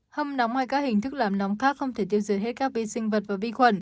hâm nóng ngoài các hình thức làm nóng khác không thể tiêu diệt hết các vi sinh vật và vi khuẩn